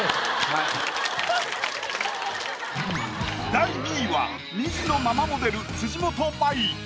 第２位は２児のママモデル辻元舞。